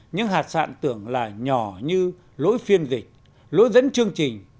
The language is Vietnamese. những hạt sạn tưởng là nhỏ như lỗi phiên dịch lỗi dẫn chương trình